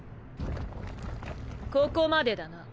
ここまでだな。